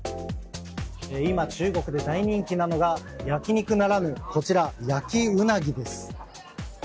今、中国で大人気なのが焼き肉ならぬ、焼きウナギです。